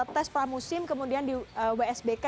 tes pramusim kemudian di wsbk